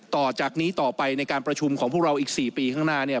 ต่อจากนี้ต่อไปในการประชุมของพวกเราอีก๔ปีข้างหน้าเนี่ย